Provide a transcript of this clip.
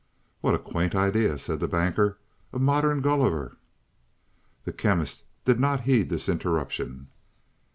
"What a quaint idea!" said the Banker. "A modern 'Gulliver.'" The Chemist did not heed this interruption.